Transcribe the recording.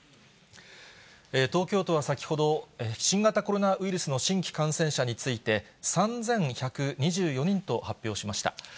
東京都は先ほど、新型コロナウイルスの新規感染者について、３１２４人と発表しました。